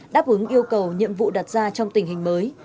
đáp ứng yêu cầu nhiệm vụ đặt ra trong tình hình mới